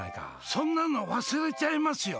そんなの忘れちゃいますよ。